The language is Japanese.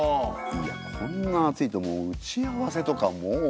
いやこんな暑いともう打ち合わせとかもう。